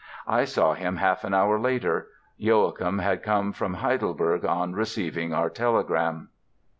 I saw him half an hour later. Joachim had come from Heidelberg on receiving our telegram...."